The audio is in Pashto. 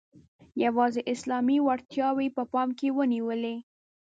یوازي اسلامي وړتیاوې یې په پام کې ونیولې.